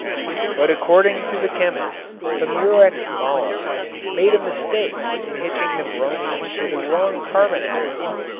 But according to the chemist the Murex mollusk made a mistake in hitching the bromine to the wrong carbon atoms.